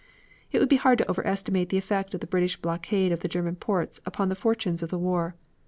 It would be hard to overestimate the effect of the British blockade of the German ports upon the fortunes of the war.